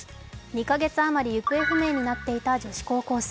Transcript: ２か月あまり行方不明になっていた女子高校生。